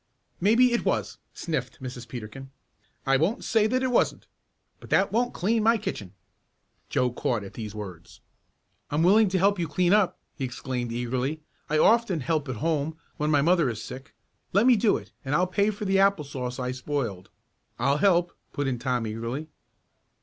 "Maybe it was," sniffed Mrs. Peterkin. "I won't say that it wasn't, but that won't clean my kitchen." Joe caught at these words. "I'm willing to help you clean up!" he exclaimed eagerly. "I often help at home when my mother is sick. Let me do it, and I'll pay for the apple sauce I spoiled." "I'll help," put in Tom eagerly.